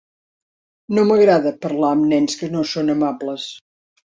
No m'agrada parlar amb nens que no són amables.